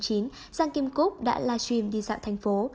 giang kim cúc đã live stream đi dạo thành phố